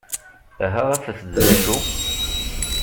Aha afet-d d acu!